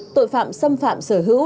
tội phạm xâm phạm sở hữu